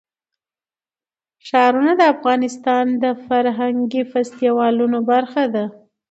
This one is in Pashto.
ښارونه د افغانستان د فرهنګي فستیوالونو برخه ده.